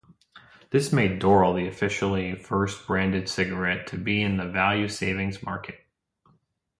This made Doral the officially first branded cigarette to be in the value-savings market.